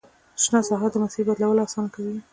شنه ساحه د مسیر بدلول اسانه کوي